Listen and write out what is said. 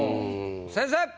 先生！